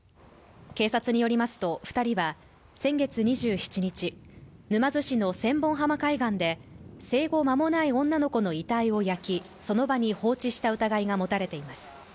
警察によりますと、２人は先月２７日沼津市の千本浜海岸で生後まもない女の子の遺体を焼き、その場に放置した疑いが持たれています。